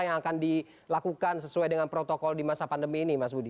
yang akan dilakukan sesuai dengan protokol di masa pandemi ini mas budi